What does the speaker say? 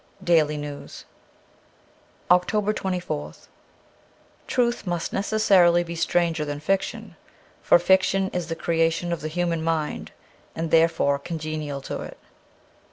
' Daily News' 329 OCTOBER 24th TRUTH must necessarily be stranger than fiction ; for fiction is the creation of the human mind and therefore congenial to it.